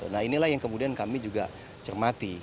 nah inilah yang kemudian kami juga cermati